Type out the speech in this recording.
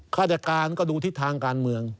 ฆาตการก็ดูทิศทางการเมือง